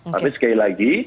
tapi sekali lagi